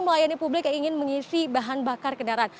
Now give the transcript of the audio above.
melayani publik yang ingin mengisi bahan bakar kendaraan